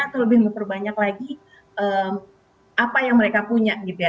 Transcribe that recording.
atau lebih memperbanyak lagi apa yang mereka punya gitu ya